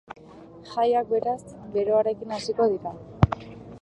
Jaiak, beraz, beroarekin hasiko dira.